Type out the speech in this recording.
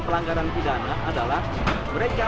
pelanggaran pindahan adalah mereka